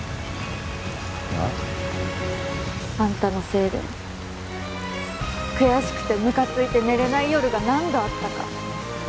あぁ？あんたのせいで悔しくてムカついて寝れない夜が何度あったか。